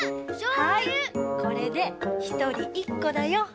はいこれでひとりいっこだよ。